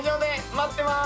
待ってます！